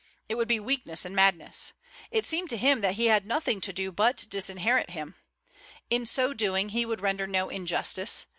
It would be weakness and madness. It seemed to him that he had nothing to do but disinherit him. In so doing, he would render no injustice.